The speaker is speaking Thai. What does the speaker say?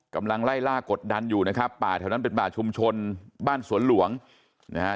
กำลังไล่ล่ากดดันอยู่นะครับป่าแถวนั้นเป็นป่าชุมชนบ้านสวนหลวงนะฮะ